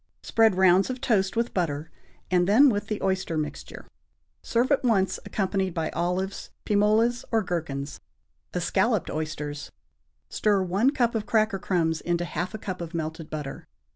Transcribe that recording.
Spread rounds of toast with butter, and then with the oyster mixture. Serve at once accompanied by olives, pim olas or gherkins. =Escalloped Oysters.= Stir one cup of cracker crumbs into half a cup of melted butter.